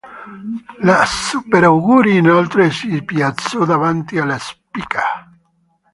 La Super Aguri inoltre si piazzò davanti alla Spyker.